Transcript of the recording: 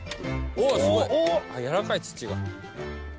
おすごい軟らかい土が。